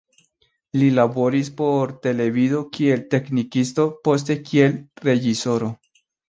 Li laboris por televido kiel teknikisto, poste kiel reĝisoro.